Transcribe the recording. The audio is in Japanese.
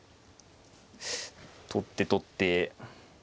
取って取って。